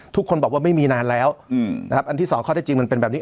ทุกคนบอกว่าไม่มีนานแล้วนะครับอันที่สองข้อได้จริงมันเป็นแบบนี้